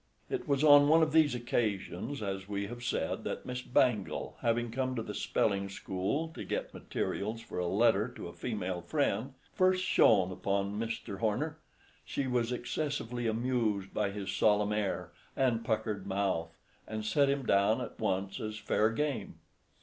It was on one of these occasions, as we have said, that Miss Bangle, having come to the spelling school to get materials for a letter to a female friend, first shone upon Mr. Horner. She was excessively amused by his solemn air and puckered mouth, and set him down at once as fair game.